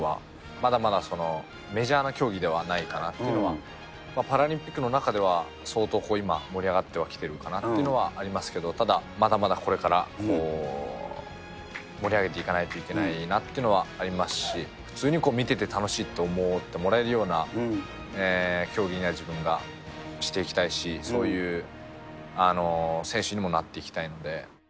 まだまだメジャーな競技ではないかなっていうのは、パラリンピックの中では相当、今、盛り上がってはきてるかなというのはありますけど、ただ、まだまだこれから盛り上げていかないといけないなっていうのはありますし、普通に見てて楽しいって思ってもらえるような競技には自分がしていきたいし、そういう選手にもなっていきたいので。